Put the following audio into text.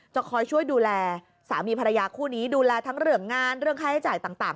จะคอยช่วยดูแลสามีภรรยาคู่นี้ดูแลทั้งเรื่องงานเรื่องค่าใช้จ่ายต่าง